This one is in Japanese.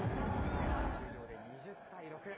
前半終了で２０対６。